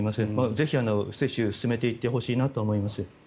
ぜひ、接種進めていってほしいなと思います。